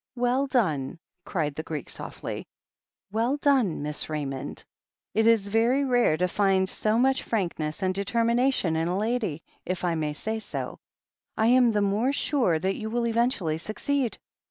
"Well done!" cried the Greek softly. "Well done. Miss Ra3anond ! It is very rare to find so much frank ness and determination in a lady, if I may say so — I am the more sure that you will eventually succeed."